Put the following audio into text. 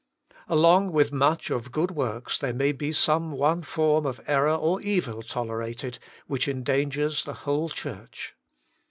Along with much of good works there may be some one form of error or evil tol erated which endangers the whole church.